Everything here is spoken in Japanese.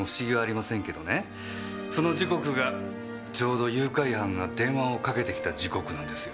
その時刻がちょうど誘拐犯が電話をかけてきた時刻なんです。